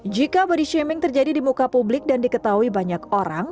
jika body shaming terjadi di muka publik dan diketahui banyak orang